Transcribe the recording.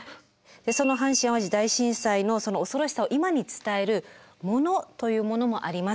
その阪神・淡路大震災のその恐ろしさを今に伝える“モノ”というものもあります。